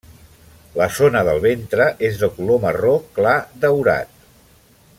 La zona del ventre és de color marró clar daurat.